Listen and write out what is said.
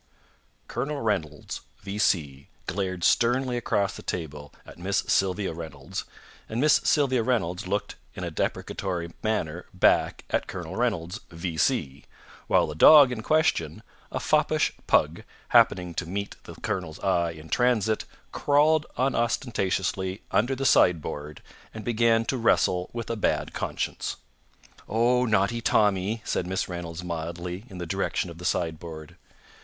Colonel Reynolds, V.C., glared sternly across the table at Miss Sylvia Reynolds, and Miss Sylvia Reynolds looked in a deprecatory manner back at Colonel Reynolds, V.C.; while the dog in question a foppish pug happening to meet the colonel's eye in transit, crawled unostentatiously under the sideboard, and began to wrestle with a bad conscience. "Oh, naughty Tommy!" said Miss Reynolds mildly, in the direction of the sideboard.